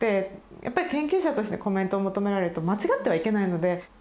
やっぱり研究者としてコメントを求められると間違ってはいけないので。